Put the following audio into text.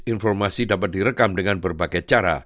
informasi dapat direkam dengan berbagai cara